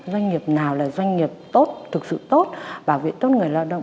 doanh nghiệp nào là doanh nghiệp tốt thực sự tốt bảo vệ tốt người lao động